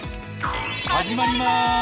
始まります。